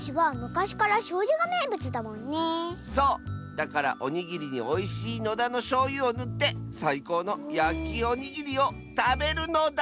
だからおにぎりにおいしい野田のしょうゆをぬってさいこうのやきおにぎりをたべるのだ！